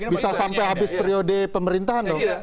bisa sampai habis periode pemerintahan dong